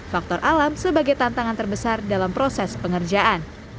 faktor alam sebagai tantangan terbesar dalam proses pengerjaan